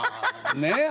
ねえ？